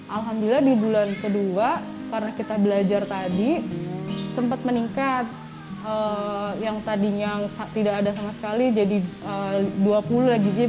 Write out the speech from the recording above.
alhamdulillah di bulan kedua karena kita belajar tadi sempat meningkat yang tadinya tidak ada sama sekali jadi dua puluh lagi ibaratnya stabil di dua puluh orderan